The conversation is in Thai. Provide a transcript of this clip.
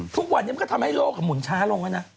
ทุกวันนี้มันก็ทำให้โลกหมุนช้าลงแล้วนะ